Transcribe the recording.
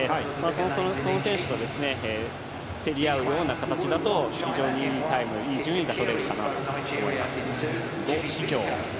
その選手と競り合うような形だと非常に良いタイム、良い順位が取れるかなと思います。